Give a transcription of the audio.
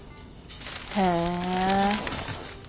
へえ。